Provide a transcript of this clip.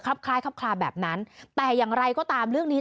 คล้ายครับคลาแบบนั้นแต่อย่างไรก็ตามเรื่องนี้